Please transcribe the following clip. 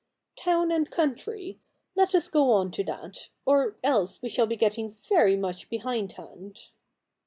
Town and Country — let us go on to that ; or else we shall be getting very much behind hand.'